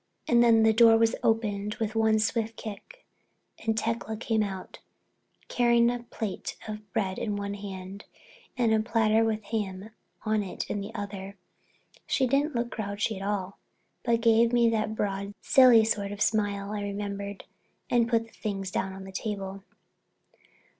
And then the door was opened with one swift kick and Tecla came in, carrying a plate of bread in one hand and a platter with ham on it in the other. She didn't look grouchy at all, but gave me that broad, silly sort of smile I remembered and put the things down on the table!